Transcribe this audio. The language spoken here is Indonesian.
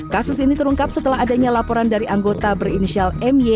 kasus ini terungkap setelah adanya laporan dari anggota berinisial my